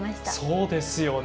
そうですよね。